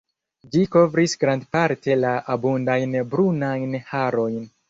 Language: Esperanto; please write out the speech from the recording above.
Ĝi kovris grandparte la abundajn brunajn harojn.